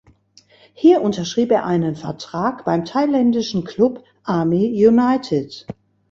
Hier unterschrieb er einen Vertrag beim thailändischen Club Army United.